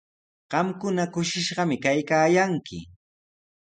Qamkuna kushishqami kaykaayanki.